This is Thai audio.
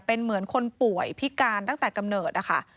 เป็นเหมือนคนป่วยพิการตั้งแต่กำเนิดนะคะ